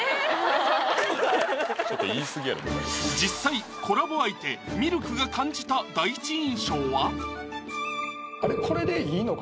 実際コラボ相手・ＭＩＬＫが感じた第一印象は？